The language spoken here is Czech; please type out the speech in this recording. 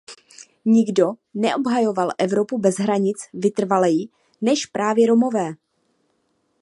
Nikdo neobhajoval Evropu bez hranic vytrvaleji, než právě Romové.